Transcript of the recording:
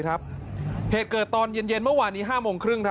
เหตุเกิดตอนเย็นเมื่อวานนี้๕โมงครึ่ง